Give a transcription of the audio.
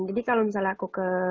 jadi kalau misalnya aku ke